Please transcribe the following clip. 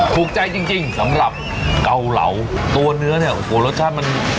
ถูกใจจริงจริงสำหรับเกาเหลาตัวเนื้อเนี่ยโอ้โหรสชาติมัน